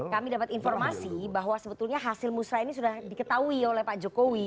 kami dapat informasi bahwa sebetulnya hasil musrah ini sudah diketahui oleh pak jokowi